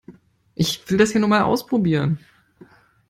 Ich will das hier nur mal ausprobieren.